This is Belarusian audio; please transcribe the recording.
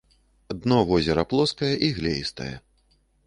Дно возера плоскае і глеістае.